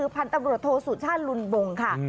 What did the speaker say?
พันตำรวจโท้สูตรชาติรุนบงค่ะ